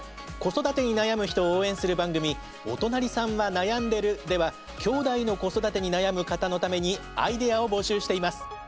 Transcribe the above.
子育てに悩む人を応援する番組「おとなりさんはなやんでる。」ではきょうだいの子育てに悩む方のためにアイデアを募集しています。